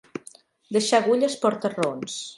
Deixar agulles porta raons.